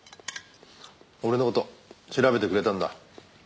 俺の事調べてくれたんだ。